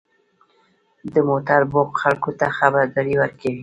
• د موټر بوق خلکو ته خبرداری ورکوي.